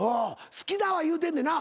「好きだ」は言うてんねんな？